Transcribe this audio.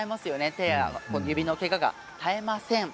手や指のけがが絶えません。